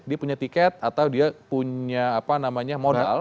dia punya tiket atau dia punya apa namanya modal